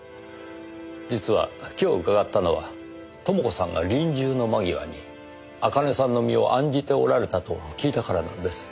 実は今日伺ったのは朋子さんが臨終の間際に茜さんの身を案じておられたと聞いたからなんです。